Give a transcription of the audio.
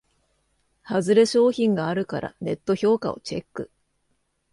ハズレ商品があるからネット評価をチェック